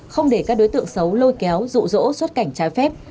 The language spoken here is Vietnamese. không để các đối tượng xấu lôi kéo rụ rỗ xuất cảnh trái phép